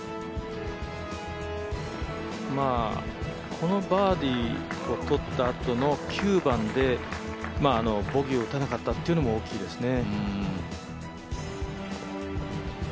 このバーディーを取ったあとの９番でボギーを打たなかったというのも大きいですね。